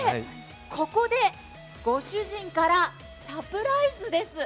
ここでご主人からサプライズです。